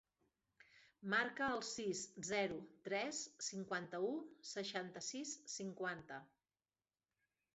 Marca el sis, zero, tres, cinquanta-u, seixanta-sis, cinquanta.